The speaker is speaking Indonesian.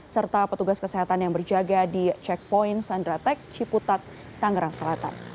serta petugas kesehatan yang berjaga di checkpoint sandratek ciputat tangerang selatan